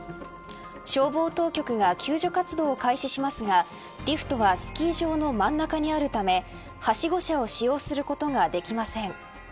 消防当局が救助活動を開始しますがリフトはスキー場の真ん中にあるためはしご車を使用することができません。